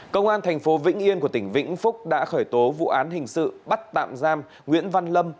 công an thành phố vĩnh yên của tỉnh vĩnh phúc đã khởi tố vụ án hình sự bắt tạm giam nguyễn văn lâm